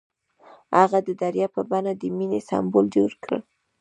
هغه د دریا په بڼه د مینې سمبول جوړ کړ.